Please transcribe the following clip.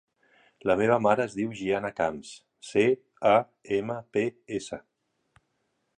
La meva mare es diu Gianna Camps: ce, a, ema, pe, essa.